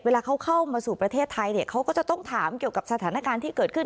เวลาเขาเข้ามาสู่ประเทศไทยเนี่ยเขาก็จะต้องถามเกี่ยวกับสถานการณ์ที่เกิดขึ้น